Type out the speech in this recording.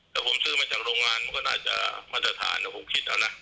ถ้าผมซื้อมาจากโรงงานก็น่าจะมาตรฐานผมคิดแล้วนะ